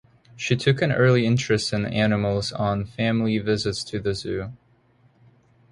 She took an early interest in animals on family visits to the zoo.